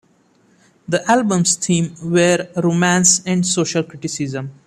The album's themes were romance and social criticism.